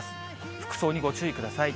服装にご注意ください。